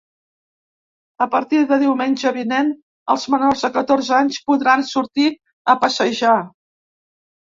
A partir de diumenge vinent, els menors de catorze anys podran sortir a passejar.